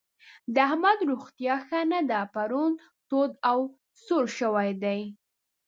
د احمد روغتيا ښه نه ده؛ پرون تود او سوړ شوی دی.